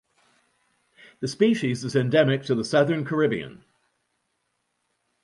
The species is endemic to the southern Caribbean.